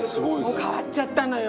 もう変わっちゃったのよ。